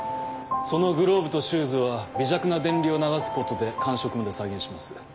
そのグローブとシューズは微弱な電流を流すことで感触まで再現します。